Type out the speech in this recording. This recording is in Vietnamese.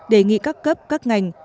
đề nghị các cấp các ngành